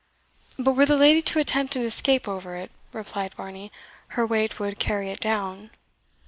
"But were the lady to attempt an escape over it," replied Varney, "her weight would carry it down?"